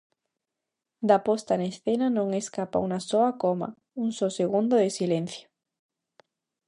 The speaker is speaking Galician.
Da posta en escena non escapa unha soa coma, un só segundo de silencio.